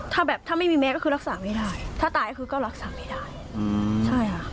ถ้าไม่มีแมทก็คือรักษาไม่ได้ถ้าตายก็คือรักษาไม่ได้